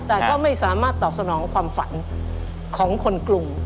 แต่ก็ไม่สามารถตอบสนองความฝันของคนกรุง